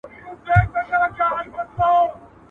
• د ړندو په ښار کي يو سترگئ پاچا دئ.